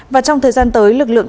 và trong thời gian tới lực lượng